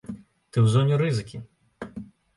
Ты ў зоне рызыкі!